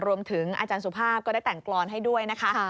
รวมถึงอาจารย์สุภาพก็ได้แต่งกรอนให้ด้วยนะคะ